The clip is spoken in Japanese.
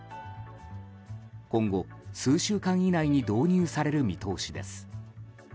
今後、数週間以内に導入される見通しです。